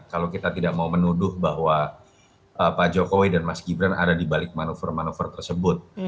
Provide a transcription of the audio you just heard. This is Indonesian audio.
kalau kita tidak mau menuduh bahwa pak jokowi dan mas gibran ada di balik manuver manuver tersebut